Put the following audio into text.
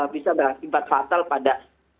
bisa berakibat fatal pada